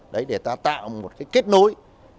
đấy để ta tạo một cái kết nối